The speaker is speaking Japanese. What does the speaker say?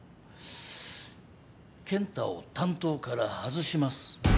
健太を担当から外します。